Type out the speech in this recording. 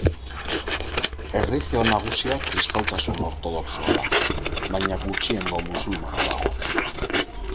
Erlijio nagusia kristautasun ortodoxoa da, baina gutxiengo musulmana dago.